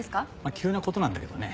急な事なんだけどね。